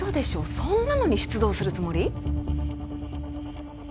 そんなのに出動するつもり！？